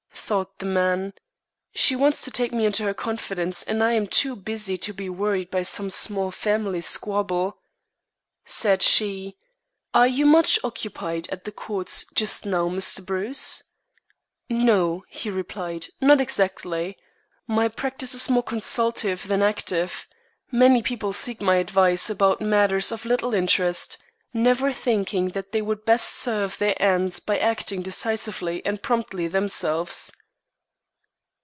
Thought the man: "She wants to take me into her confidence, and I am too busy to be worried by some small family squabble." Said she: "Are you much occupied at the Courts just now, Mr. Bruce?" "No," he replied; "not exactly. My practice is more consultive than active. Many people seek my advice about matters of little interest, never thinking that they would best serve their ends by acting decisively and promptly themselves."